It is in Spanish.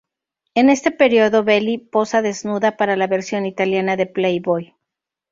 En este periodo Belli posa desnuda para la versión italiana de "Playboy".